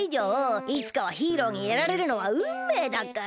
いつかはヒーローにやられるのはうんめいだから！